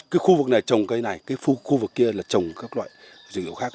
cái khu vực này trồng cây này cái khu vực kia là trồng các loại dược liệu khác